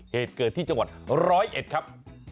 เหตุเกิดที่จังหวัดร้อยเอ็ดครับ